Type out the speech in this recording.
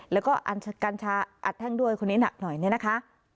แล้วก็กัญชาอัดแท่งด้วยคนนี้หนักหน่อยเนี่ยนะคะ